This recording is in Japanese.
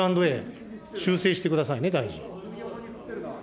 Ｑ＆Ａ、修正してくださいね、大臣。